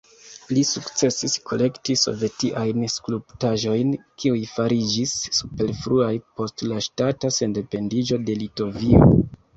Li sukcesis kolekti sovetiajn skulptaĵojn, kiuj fariĝis superfluaj post la ŝtata sendependiĝo de Litovio.